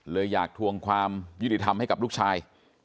อยากทวงความยุติธรรมให้กับลูกชาย